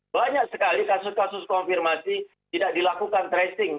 banyak sekali kasus kasus konfirmasi tidak dilakukan tracing